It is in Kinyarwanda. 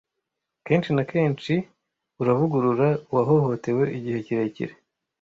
Kenshi na kenshi, uravugurura uwahohotewe, igihe kirekire